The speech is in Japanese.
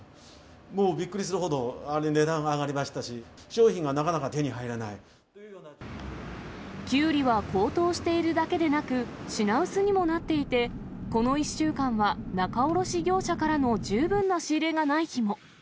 もうびっくりするほど値段が上がりましたし、商品がなかなか手にキュウリは高騰しているだけでなく、品薄にもなっていて、この１週間は仲卸業者からの十分な仕入れがない日も。